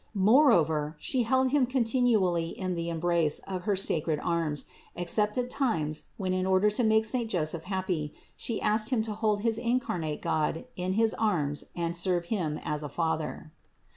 Moreover She held Him con tinually in the embrace of her sacred arms, except at times, when, in order to make saint Joseph happy, She asked him to hold his incarnate God in his arms and serve him as a father.